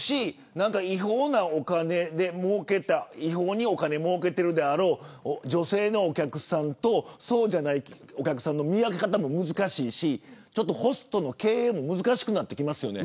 違法なお金で、もうけた違法にお金もうけているであろう女性のお客さんとそうじゃないお客さんの見分け方も難しいし、ホストの経営も難しくなってきますよね。